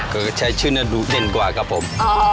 ก็ใช้ชื่อนั้นดูเด่นกว่าครับผม